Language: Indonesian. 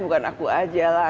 bukan aku aja lah